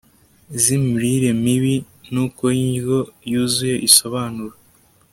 z'imirire mibi n'ukoindyo yuzuye isobanura